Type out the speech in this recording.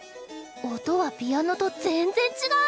音はピアノと全然違う！